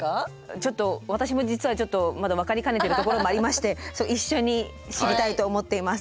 ちょっと私も実はちょっとまだ分かりかねてるところもありまして一緒に知りたいと思っています。